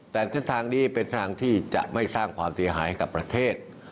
แต่ทิศทางนี้เป็นทางที่จะไม่สร้างความเสียหายให้กับประเทศ